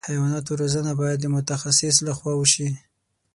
د حیواناتو روزنه باید د متخصص له خوا وشي.